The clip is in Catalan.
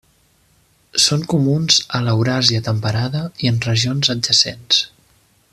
Són comuns a l'Euràsia temperada i en regions adjacents.